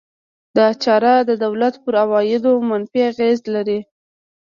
دا چاره د دولت پر عوایدو منفي اغېز لري.